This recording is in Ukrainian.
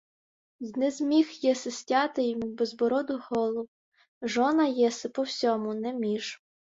— Й не зміг єси стяти йому безбороду голову! Жона єси по всьому, не між.